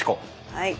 はい。